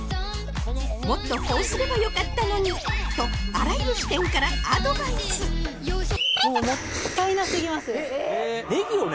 「もっとこうすればよかったのに」とあらゆる視点からアドバイスネギをね